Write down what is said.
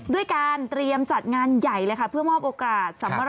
ด้วยการเตรียมจัดงานใหญ่เลยค่ะ